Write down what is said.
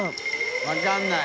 分からない